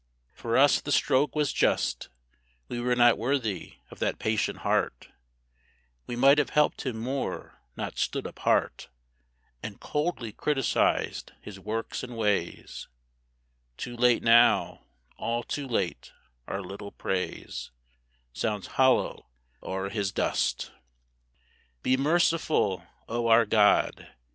For us the stroke was just; We were not worthy of that patient heart; We might have helped him more, not stood apart, And coldly criticised his works and ways Too late now, all too late our little praise Sounds hollow o'er his dust. Be merciful, O our God!